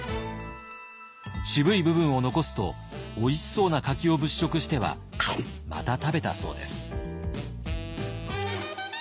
渋い部分を残すとおいしそうな柿を物色してはまた食べたそうです。